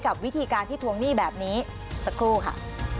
กับวิธีการที่ทวงหนี้แบบนี้สักครู่ค่ะ